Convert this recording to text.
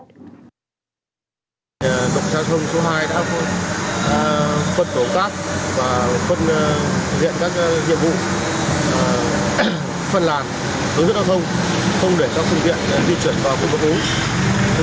độc giao thông số hai đã phân tổ tác và phân diện các nhiệm vụ phân làm